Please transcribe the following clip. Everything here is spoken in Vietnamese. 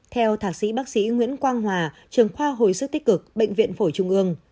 theo thạc sĩ bác sĩ nguyễn quang hòa trường khoa hồi sức tích cực bệnh viện phổi trung ương